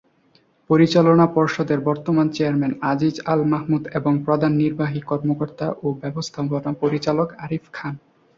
পরিচালনা পর্ষদের বর্তমান চেয়ারম্যান আজিজ আল মাহমুদ এবং প্রধান নির্বাহী কর্মকর্তা ও ব্যবস্থাপনা পরিচালক আরিফ খান।